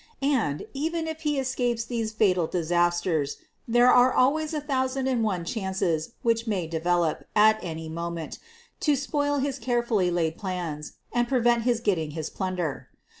And, even if he escapes these fatal disasters, there are always a thousand and one chances which may develop at any moment to spoil his carefully laid plans and pre vent his getting his plunder.